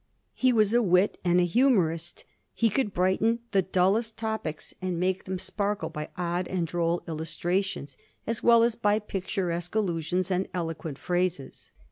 He was a wit and a humourist ; he could brighten the dullest topics and make them sparkle by odd and droll illustrations, as well as by picturesque allusions and eloquent phrases.